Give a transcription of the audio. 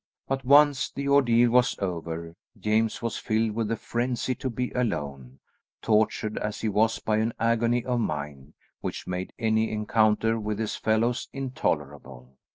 But once the ordeal was over, James was filled with a frenzy to be alone, tortured as he was by an agony of mind which made any encounter with his fellows intolerable.